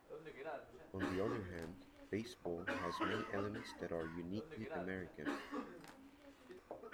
On the other hand, baseball has many elements that are uniquely American.